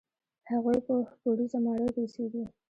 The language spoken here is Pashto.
هغوی په اووه پوړیزه ماڼۍ کې اوسېږي.